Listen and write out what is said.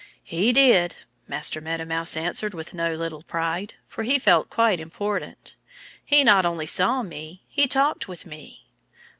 "He did," Master Meadow Mouse answered with no little pride, for he felt quite important. "He not only saw me. He talked with me."